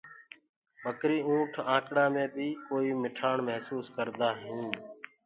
ٻڪري اُنٺ آنڪڙآ مي بي ڪوئي مٺآڻ مهسوس ڪردآ هو